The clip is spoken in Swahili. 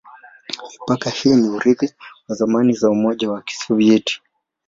Mipaka hii ni urithi wa zamani za Umoja wa Kisovyeti.